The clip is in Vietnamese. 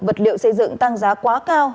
vật liệu xây dựng tăng giá quá cao